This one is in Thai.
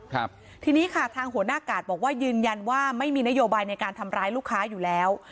ครับทีนี้ค่ะทางหัวหน้ากาดบอกว่ายืนยันว่าไม่มีนโยบายในการทำร้ายลูกค้าอยู่แล้ว